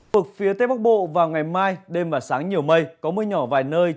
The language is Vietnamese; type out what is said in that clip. từ phía tết bắc bộ vào ngày mai đêm và sáng nhiều mây có mưa nhỏ vài nơi